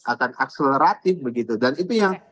akan akseleratif begitu dan itu yang